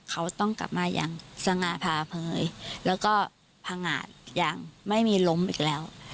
เขาต้องกลับมาอย่างสง่าพาเผยแล้วก็พังงาดอย่างไม่มีล้มอีกแล้ว